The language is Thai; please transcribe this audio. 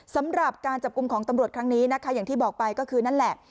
สำหรับการจับกลุ่มของตำรวจครั้งนี้นะคะอย่างที่บอกไปก็คือนั่นแหละ